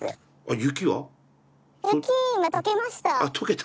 雪解けました。